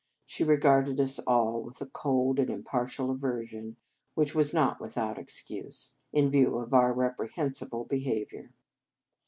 She re garded us all with a cold and impar tial aversion, which was not without excuse, in view of our reprehensible behaviour.